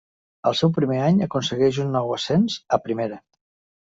Al seu primer any, aconsegueix un nou ascens a Primera.